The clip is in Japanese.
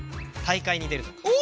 大会に出るとか。